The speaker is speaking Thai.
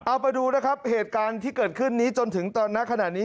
เอาไปดูนะครับเหตุการณ์ที่เกิดขึ้นนี้จนถึงตอนณขณะนี้